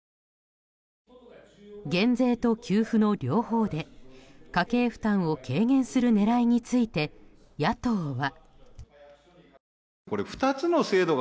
減税と給付の両方で家計負担を軽減する狙いについて野党は。